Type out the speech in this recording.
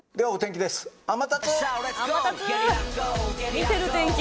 見てる天気。